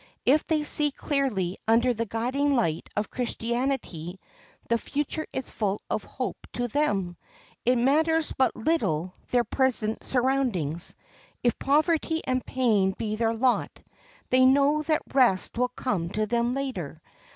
If they see clearly under the guiding light of Christianity the future is full of hope to them. It matters but little their present surroundings. If poverty and pain be their lot, they know that rest will come to them later.